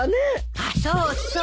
あっそうそう。